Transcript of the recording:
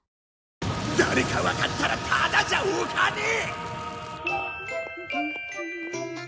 誰かわかったらただじゃおかねえ！